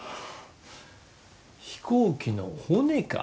飛行機の骨か？